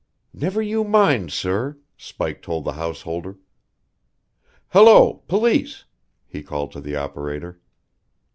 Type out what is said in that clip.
"Never you mind, sir," Spike told the householder. "Hello! Police!" he called to the operator.